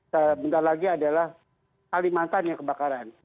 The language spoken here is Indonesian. sebentar lagi adalah kalimantan yang kebakaran